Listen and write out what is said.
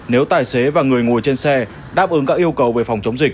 nếu tài xế và người ngồi trên xe đáp ứng các yêu cầu về phòng chống dịch